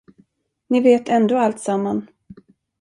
Ni vet ändå alltsamman.